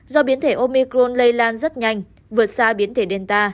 do biến thể omicron lây lan rất nhanh vượt xa biến thể delta